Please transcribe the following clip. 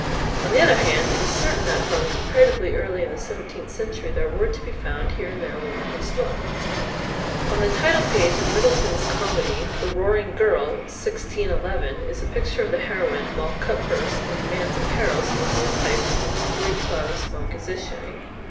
On the other hand, it is certain that from comparatively early in the seventeenth century there were to be found here and there women who smoked. On the title page of Middleton's comedy, "The Roaring Girle," 1611, is a picture of the heroine, Moll Cutpurse, in man's apparel, smoking a pipe, from which a great cloud of smoke is issuing.